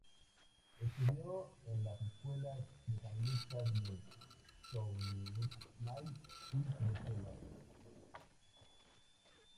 Estudió en las escuelas de San Lucas de Tournai y Bruselas.